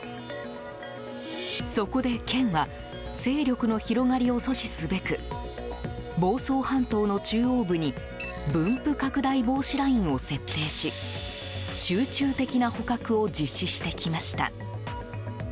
そこで県は勢力の広がりを阻止すべく房総半島の中央部に分布拡大防止ラインを設定し集中的な捕獲を実施してきました。